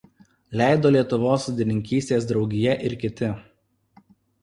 Leido Lietuvos sodininkystės draugija ir kiti.